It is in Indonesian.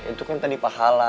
itu kan tadi pahala